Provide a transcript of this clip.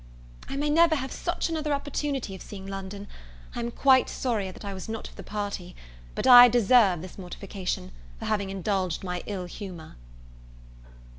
I may never have such another opportunity of seeing London; I am quite sorry that I was not of the party; but I deserve this mortification, for having indulged my ill humour.